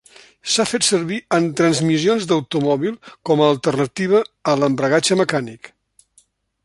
S'ha fet servir en transmissions d'automòbil com a alternativa a l'embragatge mecànic.